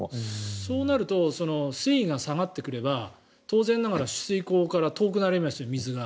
そうなると水位が下がってくれば当然ながら取水口から遠くなりますよ、水が。